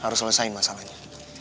harus selesain masalahnya